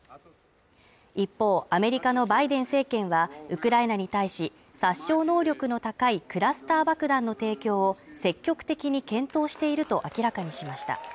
一方、アメリカのバイデン政権はウクライナに対し、殺傷能力の高いクラスター爆弾の提供を積極的に検討していると明らかにしました。